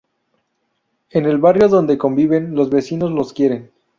En el barrio donde conviven, los vecinos los quieren.